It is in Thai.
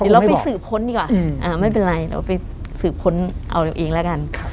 เราไปสืบค้นดีกว่าไม่เป็นไรเราไปสืบค้นเอาเราเองแล้วกัน